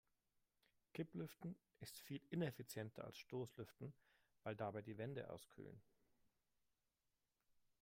Kipplüften ist viel ineffizienter als Stoßlüften, weil dabei die Wände auskühlen.